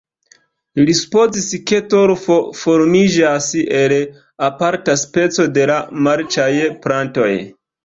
Li supozis ke torfo formiĝas el aparta speco de la marĉaj plantoj.